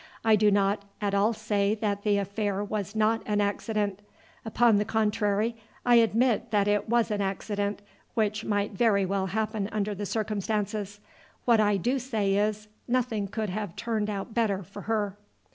I do not at all say that the affair was not an accident. Upon the contrary, I admit that it was an accident which might very well happen under the circumstances. What I do say is, nothing could have turned out better for her."